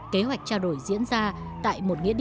kế hoạch trao đổi diễn ra tại một nghĩa định